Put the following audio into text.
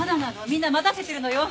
みんな待たせてるのよ。